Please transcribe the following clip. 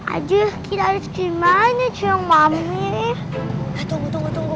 aduh kita harus gimana cuy mama tunggu tunggu tunggu